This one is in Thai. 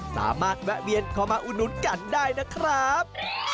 สามารถแวะเวียนเข้ามาอุดหนุนกันได้นะครับ